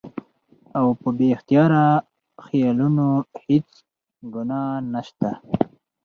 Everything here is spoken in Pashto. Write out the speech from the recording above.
او پۀ بې اختياره خيالونو هېڅ ګناه نشته